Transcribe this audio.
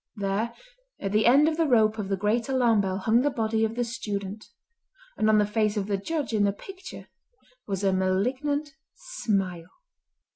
There at the end of the rope of the great alarm bell hung the body of the student, and on the face of the Judge in the picture was a malignant smile.